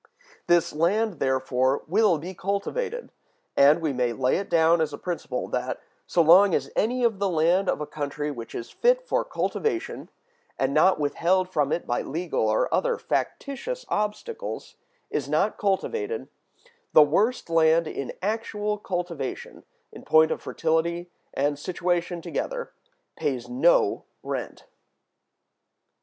This land, therefore, will be cultivated; and we may lay it down as a principle that, so long as any of the land of a country which is fit for cultivation, and not withheld from it by legal or other factitious obstacles, is not cultivated, the worst land in actual cultivation (in point of fertility and situation together) pays no rent.